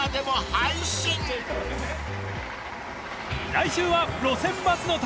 ［来週は路線バスの旅］